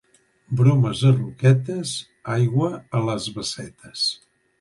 Bromes a Roquetes, aigua a les bassetes.